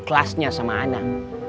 kelasnya sama anak